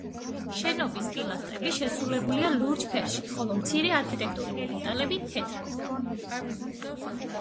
შენობის პილასტრები შესრულებულია ლურჯ ფერში, ხოლო მცირე არქიტექტურული დეტალები თეთრად.